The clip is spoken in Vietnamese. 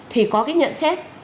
thì có cái nhận xét